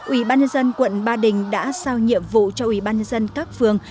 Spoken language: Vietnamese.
ủy ban nhân dân quận ba đình đã sao nhiệm vụ cho ủy ban nhân dân các phường